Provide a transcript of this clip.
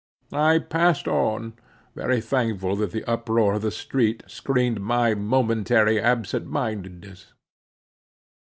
I passed on, very thankful that the uproar of the street screened my momentary absent mindedness.